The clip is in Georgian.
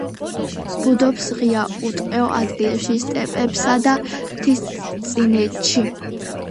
ბუდობს ღია, უტყეო ადგილებში, სტეპებსა და მთისწინეთში.